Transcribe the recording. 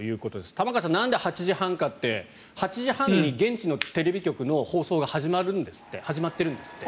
玉川さん、なんで８時半かって８時半に現地のテレビ局の放送が始まってるんですって。